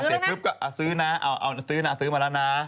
เสร็จปุ๊บก็ซื้อนะซื้อมาแล้วนะ